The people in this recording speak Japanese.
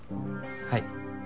はい。